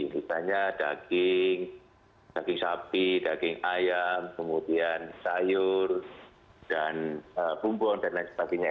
misalnya daging daging sapi daging ayam kemudian sayur dan bumbung dan lain sebagainya